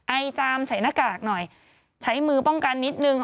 ไอจามใส่หน้ากากหน่อยใช้มือป้องกันนิดนึง